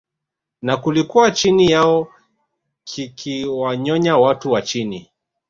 na kilikuwa chini yao kikiwanyonya watu wa chini